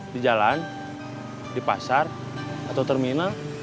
di jalan di pasar atau terminal